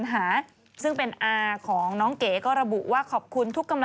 แต่สุดท้ายก็ต้องเคารพสาร